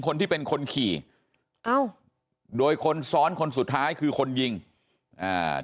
คนที่เป็นคนขี่เอ้าโดยคนซ้อนคนสุดท้ายคือคนยิงอ่า